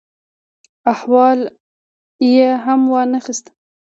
احوال یې هم وا نه خیست.